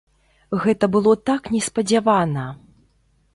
Гэта было так неспадзявана!